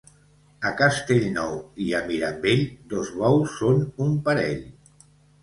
A Castellnou i a Mirambell, dos bous són un parell.